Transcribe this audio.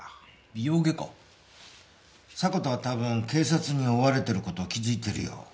迫田は多分警察に追われてる事を気づいてるよ。